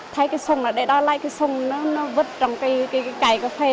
thấy cái sùng ở đây đó lấy cái sùng nó vứt trong cái cài cà phê